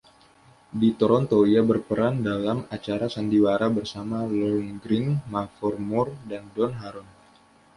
Di Toronto ia berperan dalam acara sandiwara bersama Lorne Greene, Mavor Moore, dan Don Harron.